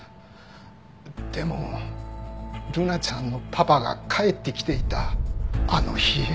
でもルナちゃんのパパが帰ってきていたあの日。